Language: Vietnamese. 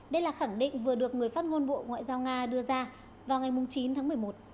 đây là khẳng định vừa được người phát ngôn bộ ngoại giao nga đưa ra vào ngày chín tháng một mươi một